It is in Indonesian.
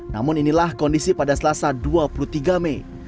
namun inilah kondisi pada selasa dua puluh tiga mei